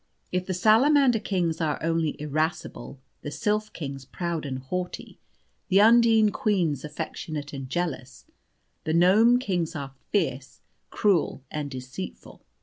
If the Salamander kings are only irascible, the sylph kings proud and haughty, the Undine queens affectionate and jealous, the gnome kings are fierce, cruel, and deceitful.